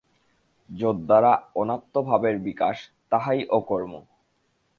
যদ্দ্বারা অনাত্মভাবের বিকাশ, তাহাই অকর্ম।